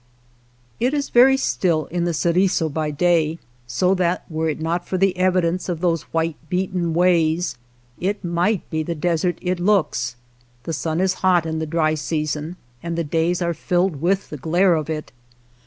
It is very still in the Ceriso by day, so that were it not for the evidence of those white beaten ways, it might be the desert it looks. The sun is hot in the dry season, and the days are filled with the glare of it.